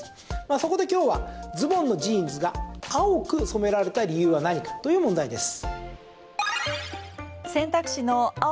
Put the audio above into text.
そこで今日はズボンのジーンズが青く染められた理由は何かという問題です。